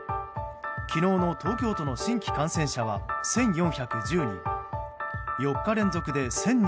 昨日の東京都の新規感染者は１４１０人。